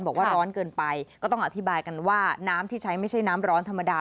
บอกว่าร้อนเกินไปก็ต้องอธิบายกันว่าน้ำที่ใช้ไม่ใช่น้ำร้อนธรรมดา